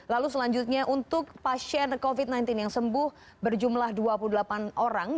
lalu selanjutnya untuk pasien covid sembilan belas yang sembuh berjumlah dua puluh delapan orang